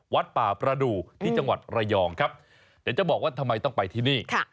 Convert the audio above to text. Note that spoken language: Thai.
วัดป่าประดูกที่จังหวัดระยองครับเดี๋ยวจะบอกว่าทำไมต้องไปที่นี่